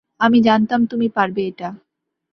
আমি জানতাম তুমি পারবে এটা।